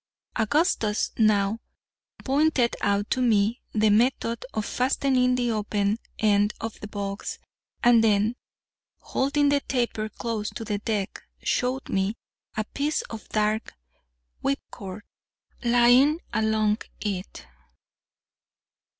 Augustus now pointed out to me the method of fastening the open end of the box, and then, holding the taper close to the deck, showed me a piece of dark whipcord lying along it.